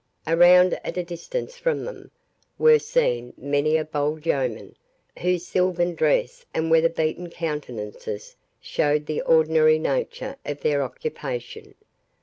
Around, and at a distance from them, were seen many a bold yeoman, whose silvan dress and weatherbeaten countenances showed the ordinary nature of their occupation.